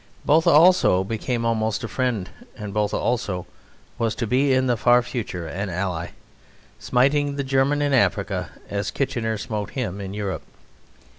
Botha also became almost a friend; and Botha also was to be in the far future an ally, smiting the German in Africa as Kitchener smote him in Europe.